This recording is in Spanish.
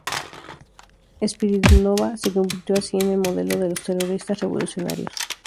Spiridónova se convirtió así en el modelo de los terroristas revolucionarios.